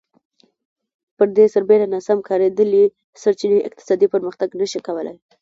پر دې سربېره ناسم کارېدلې سرچینې اقتصادي پرمختګ نه شي کولای